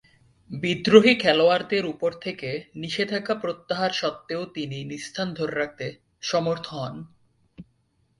বিদ্রোহী খেলোয়াড়দের উপর থেকে নিষেধাজ্ঞা প্রত্যাহার স্বত্ত্বেও তিনি নিজ স্থান ধরে রাখতে সমর্থ হন।